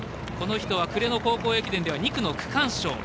この人は暮れの高校駅伝では２区の区間賞。